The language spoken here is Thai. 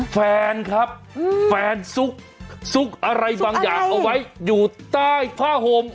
แฟนครับแฟนซุกซุกอะไรบางอย่างเอาไว้อยู่ใต้ผ้าห่ม